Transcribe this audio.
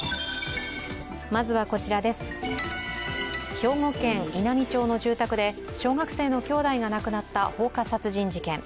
兵庫県稲美町の住宅で小学生の兄弟が亡くなった放火殺人事件。